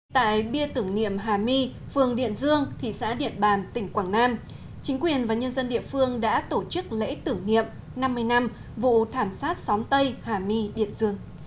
tại bia tưởng niệm hà my phường điện dương thị xã điện bàn tỉnh quảng nam chính quyền và nhân dân địa phương đã tổ chức lễ tưởng niệm năm mươi năm vụ thảm sát xóm tây hà my điện dương